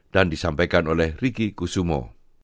dan disampaikan oleh riki kusumo